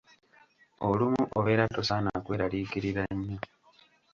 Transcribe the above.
Olumu obeera tosaana kweraliikirira nnyo.